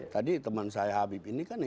tadi teman saya habib ini kan